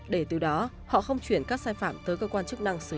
để từ đó họ không chuyển các sai phạm tới cơ quan chức năng xử lý